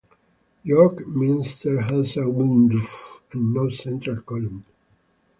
York Minster has a wooden roof and no central column.